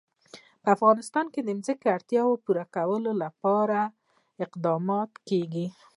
په افغانستان کې د ځنګلونه د اړتیاوو پوره کولو لپاره اقدامات کېږي.